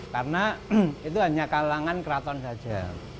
karena itu hanya kalangan keraton saja